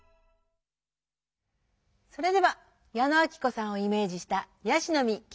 それでは矢野顕子さんをイメージした「椰子の実」